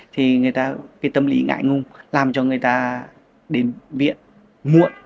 thì người ta cái tâm lý ngại ngung làm cho người ta đến viện muộn